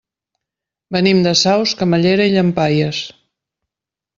Venim de Saus, Camallera i Llampaies.